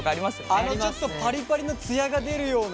あのちょっとパリパリのツヤが出るような？